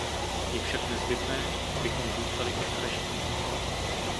Je však nezbytné, abychom zůstali ostražití.